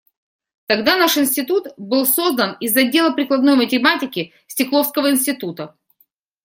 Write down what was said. Тогда наш институт был создан из отдела прикладной математики Стекловского института.